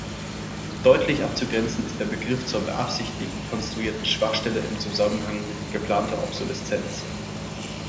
Deutlich abzugrenzen ist der Begriff zur beabsichtigt konstruierten Schwachstelle im Zusammenhang mit geplanter Obsoleszenz.